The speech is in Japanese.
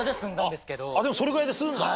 それぐらいで済んだ？